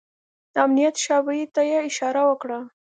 د امنيت شعبې ته يې اشاره وکړه.